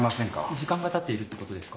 時間がたっているってことですか？